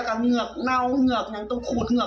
ขณะเดียวกันคุณอ้อยคนที่เป็นเมียฝรั่งคนนั้นแหละ